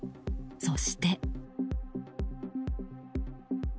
そして。